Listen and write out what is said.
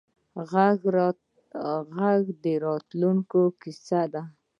غږ د راتلونکې کیسه ده